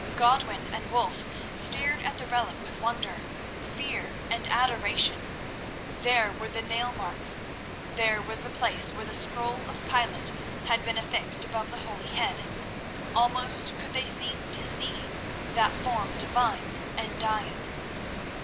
Godwin and Wulf stared at the relic with wonder, fear, and adoration. There were the nail marks, there was the place where the scroll of Pilate had been affixed above the holy head—almost could they seem to see that Form divine and dying.